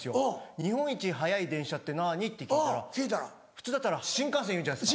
「日本一はやい電車って何？」って聞いたら普通だったら新幹線言うじゃないですか。